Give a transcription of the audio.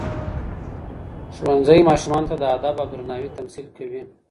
ښوونځی ماشومانو ته د ادب او درناوي تمثیل کوي.